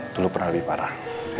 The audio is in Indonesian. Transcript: belum pernah lebih parah